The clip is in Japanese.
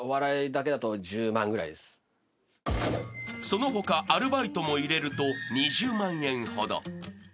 ［その他アルバイトも入れると２０万円ほど］